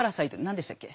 何でしたっけ？